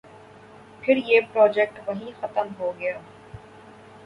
پھر یہ پراجیکٹ وہیں ختم ہو گیا۔